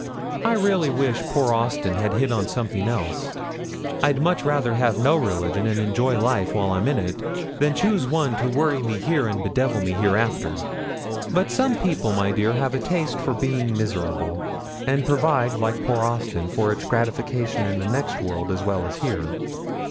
I really wish poor Austin had hit on something else; I'd much rather have no religion, and enjoy life while I'm in it, than choose one to worry me here and bedevil me hereafter. But some people, my dear, have a taste for being miserable, and provide, like poor Austin, for its gratification in the next world as well as here.